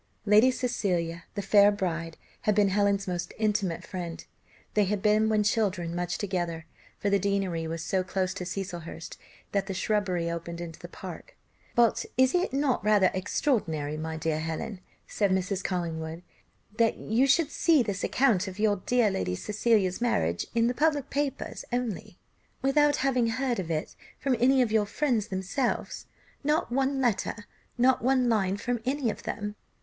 Lady Cecilia, "the fair bride," had been Helen's most intimate friend; they had been when children much together, for the deanery was so close to Cecilhurst, that the shrubbery opened into the park. "But is it not rather extraordinary, my dear. Helen," said Mrs. Collingwood, "that you should see this account of your dear Lady Cecilia's marriage in the public papers only, without having heard of it from any of your friends themselves not one letter, not one line from any of them?"